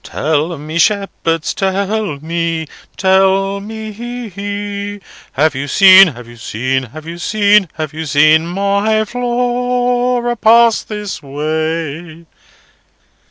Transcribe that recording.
'Tell me, shep herds, te e ell me; tell me e e, have you seen (have you seen, have you seen, have you seen) my y y Flo o ora a pass this way!